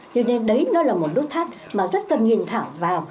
cho nên đấy nó là một nút thắt mà rất cần nhìn thẳng vào